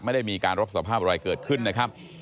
ไม่ได้มีการรับสภาพอะไรเกิดขึ้นนะครับ